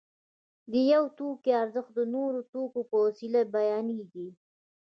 د یو توکي ارزښت د نورو توکو په وسیله بیانېږي